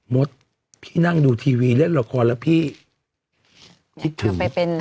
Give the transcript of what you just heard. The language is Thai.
มดพี่นั่งดูทีวีเล่นละครแล้วพี่พิถึง